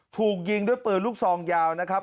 ถูกยิงด้วยปืนลูกซองยาวนะครับ